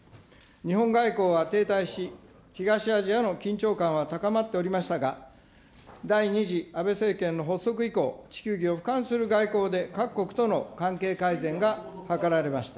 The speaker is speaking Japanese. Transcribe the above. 日本外交は停滞し、東アジアの緊張感は高まっておりましたが、第２次安倍政権の発足以降、地球儀をふかんする外交で、各国との関係改善が図られました。